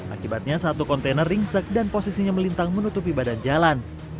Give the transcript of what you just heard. akibatnya satu kontainer ringsek dan posisinya melintang menutupi badan jalan